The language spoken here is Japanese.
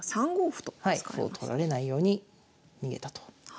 歩を取られないように逃げたと。